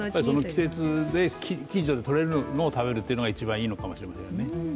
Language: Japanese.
その季節で、近所でとれるのを食べるというのが一番いいのかもしれませんよね。